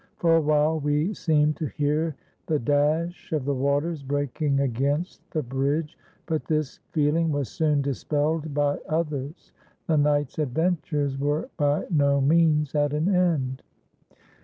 For awhile we seemed to hear the dash of the waters breaking against the bridge; but this feeling was soon dispelled by others the night's adventures were by no means at an end.